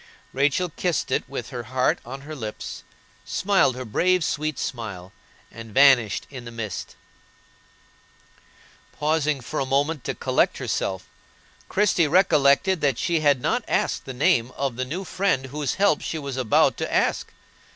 Rachel kissed it with her heart on her lips, smiled her brave sweet smile, and vanished in the mist. Pausing a moment to collect herself, Christie recollected that she had not asked the name of the new friend whose help she was about to ask.